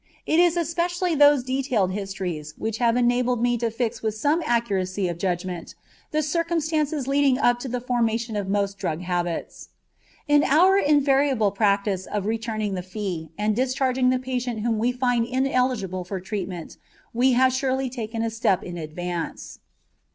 It is especially these detailed histories which have enabled me to fix with some accuracy of judgment the circumstances leading up to the formation of most drug habits. In our invariable practice of returning the fee and discharging the patient whom we find ineligible for treatment we have surely taken a step in advance.